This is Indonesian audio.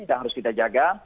dan harus kita jaga